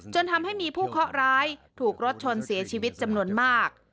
จนทำให้มีผู้เคาะร้ายถูกรถชนเสียชีวิตจำนวนมาก